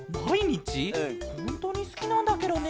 ほんとにすきなんだケロね。